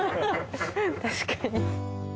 確かに。